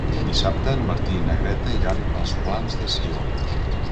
Dissabte en Martí i na Greta iran als Plans de Sió.